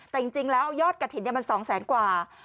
แต่จริงแล้วยอดกระถิ่นมัน๒แสนกว่า